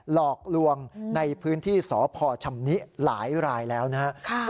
หลอกลวงในพื้นที่สพชำนิหลายรายแล้วนะครับ